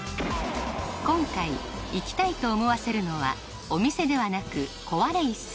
今回行きたいと思わせるのはお店ではなく壊れ椅子